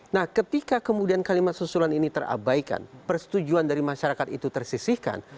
nah ketika kemudian kalimat susulan ini terabaikan persetujuan dari masyarakat itu tersisihkan